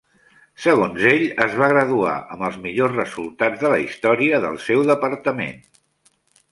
Segons ell, es va graduar amb els "millors resultats de la història" del seu departament.